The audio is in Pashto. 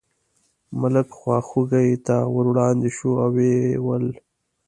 ملک خواخوږۍ ته ور وړاندې شو او یې وویل.